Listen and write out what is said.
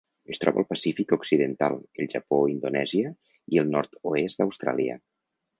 Es troba al Pacífic occidental: el Japó, Indonèsia i el nord-oest d'Austràlia.